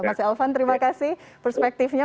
mas elvan terima kasih perspektifnya